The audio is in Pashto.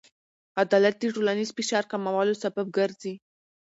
عدالت د ټولنیز فشار کمولو سبب ګرځي.